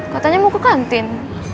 katanya mau ke kantin